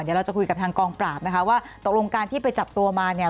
เดี๋ยวเราจะคุยกับทางกองปราบนะคะว่าตกลงการที่ไปจับตัวมาเนี่ย